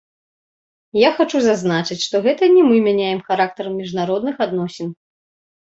Я хачу зазначыць, што гэта не мы мяняем характар міжнародных адносін.